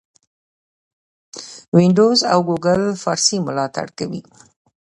وینډوز او ګوګل فارسي ملاتړ کوي.